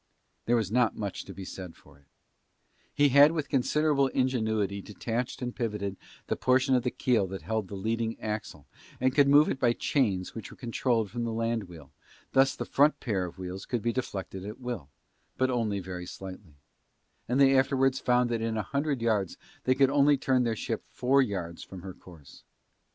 There was not much to be said for it, he had with considerable ingenuity detached and pivoted the portion of the keel that held the leading axle and could move it by chains which were controlled from the land wheel, thus the front pair of wheels could be deflected at will, but only very slightly, and they afterwards found that in a hundred yards they could only turn their ship four yards from her course.